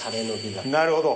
なるほど。